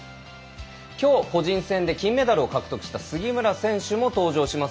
きょう個人戦で金メダルを獲得した杉村選手も登場します。